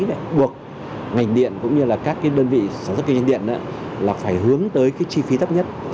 để buộc ngành điện cũng như là các đơn vị sản xuất kinh doanh điện là phải hướng tới chi phí tấp nhất